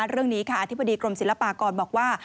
เรื่องนี้ค่ะอธิบดีกรมศิลปากรบอกว่า